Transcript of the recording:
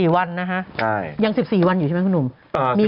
๑๔วันน่ะฮะยัง๑๔วันอยู่ใช่มั้ยคุณหมู